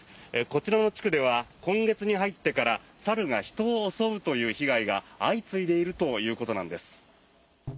こちらの地区では今月に入ってから猿が人を襲うという被害が相次いでいるということなんです。